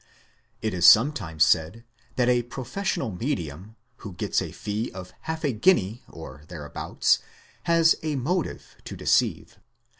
It is sometimes said that a professional medium, who gets a fee of half a guinea or thereabouts, has a motive to deceive.